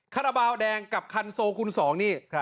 คาราบาลแดงกับคันโซคูณ๒นี่